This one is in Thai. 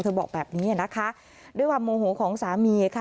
บอกแบบนี้นะคะด้วยความโมโหของสามีค่ะ